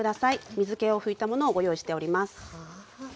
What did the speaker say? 水けを拭いたものをご用意しております。